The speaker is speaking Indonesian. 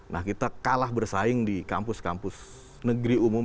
nah kita kalah bersaing di kampus kampus negeri umum